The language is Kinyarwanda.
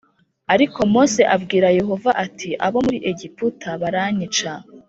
Ariko Mose abwira Yehova ati abo muri Egiputa baranyica